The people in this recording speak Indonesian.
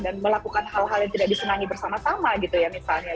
dan melakukan hal hal yang tidak disenangi bersama sama gitu ya misalnya